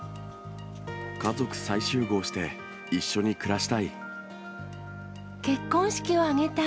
家族再集合して、一緒に暮らしたい。